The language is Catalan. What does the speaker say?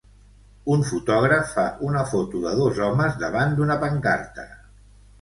Un fotògraf fa una foto de dos homes davant d'una pancarta.